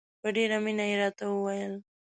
په ډېره مینه یې راته وویل.